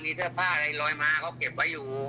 มีเสื้อผ้าอะไรลอยมาเขาเก็บไว้อยู่